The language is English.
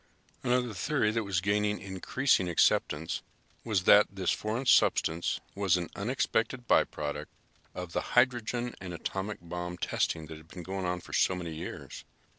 Another theory that was gaining increasing acceptance was that this foreign substance was an unexpected by product of the hydrogen and atomic bomb testing that had been going on for so many years.